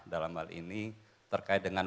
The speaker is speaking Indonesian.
dalam hal ini terkait dengan